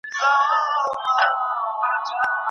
ملا بانګ د سهار په هوا کې د بري ساه واخیسته.